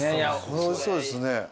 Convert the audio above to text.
これおいしそうですね。